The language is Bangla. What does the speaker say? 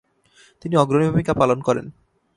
তিনি অগ্রণী ভূমিকা পালন করেন।